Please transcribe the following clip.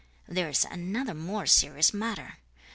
There is another more serious matter.